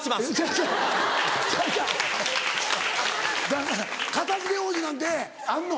だから片付け王子なんてあんの？